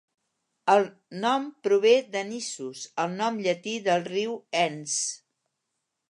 El nom prové d'"Anisus", el nom llatí del riu Enns.